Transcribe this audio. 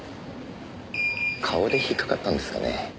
顔で引っかかったんですかね？